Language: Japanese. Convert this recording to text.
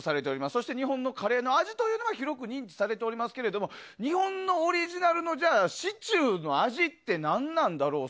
そして日本のカレーの味というのは広く認知されていますが日本のオリジナルのシチューの味って何なんだろう。